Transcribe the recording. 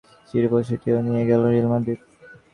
শেষ ভরসা ছিল কোপা ডেল রের শিরোপা—সেটিও নিয়ে গেল রিয়াল মাদ্রিদ।